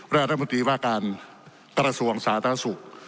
และนายกรรมดีว่าการกระสวงสาธารสุข